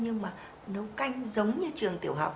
nhưng mà nấu canh giống như trường tiểu học